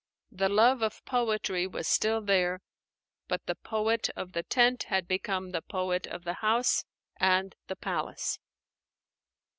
The love of poetry was still there; but the poet of the tent had become the poet of the house and the palace.